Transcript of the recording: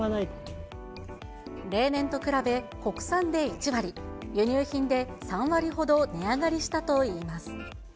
例年と比べ、国産で１割、輸入品で３割ほど値上がりしたといいます。